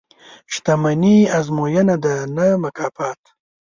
• شتمني ازموینه ده، نه مکافات.